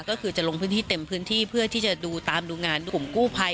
ก็คือจะลงพื้นที่เต็มพื้นที่เพื่อที่จะดูตามดูงานกลุ่มกู้ภัย